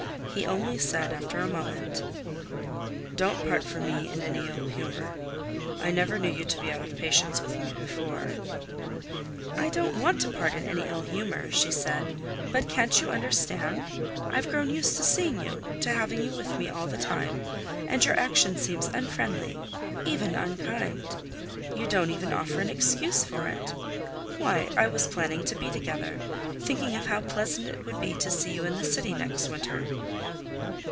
He only said, after a moment: "Don't part from me in any ill humor. I never knew you to be out of patience with me before." "I don't want to part in any ill humor," she said. "But can't you understand? I've grown used to seeing you, to having you with me all the time, and your action seems unfriendly, even unkind. You don't even offer an excuse for it. Why, I was planning to be together, thinking of how pleasant it would be to see you in the city next winter."